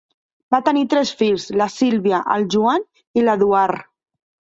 Van tenir tres fills: la Sylvia, el Joan i l'Eduard.